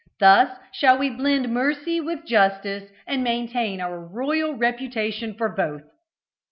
Thus shall we blend mercy with justice, and maintain our royal reputation for both."